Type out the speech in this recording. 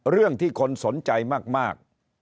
เรื่องที่คนสนใจมาก